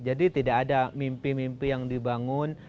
jadi tidak ada mimpi mimpi yang dibangun